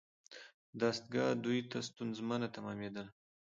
دا دستگاه دوی ته ستونزمنه تمامیدله.